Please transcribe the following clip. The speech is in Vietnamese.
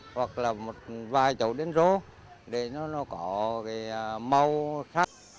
hoặc là một vài chậu đến rô để nó có cái màu khác